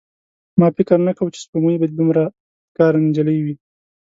ما فکر نه کاوه چې سپوږمۍ به دومره بدکاره نجلۍ وي.